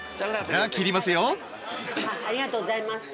ありがとうございます。